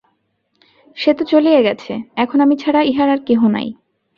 সে তো চলিয়া গেছে, এখন আমি ছাড়া ইহার আর কেহ নাই।